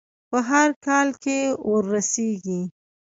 په هر حال کې وررسېږي.